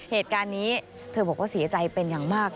เหตุการณ์นี้เธอบอกว่าเสียใจเป็นอย่างมาก